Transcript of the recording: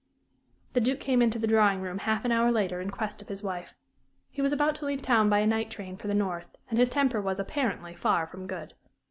_" The Duke came into the drawing room half an hour later in quest of his wife. He was about to leave town by a night train for the north, and his temper was, apparently, far from good.